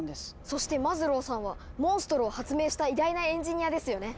そしてマズローさんはモンストロを発明した偉大なエンジニアですよね。